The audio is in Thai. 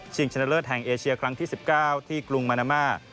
ชนะเลิศแห่งเอเชียครั้งที่๑๙ที่กรุงมานาม่า